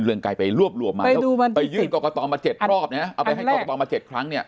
เรื่องไกลไปรวบรวบมาไปดูมันไปยื่นกอกกะตอลมาเจ็ดครอบเนี้ยเอาไปให้กอกกะตอลมาเจ็ดครั้งเนี้ย